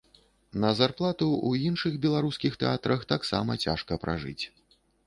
На зарплату ў іншых беларускіх тэатрах таксама цяжка пражыць.